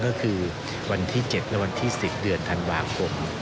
ก็คือวันที่๗และวันที่๑๐เดือนธันวาคม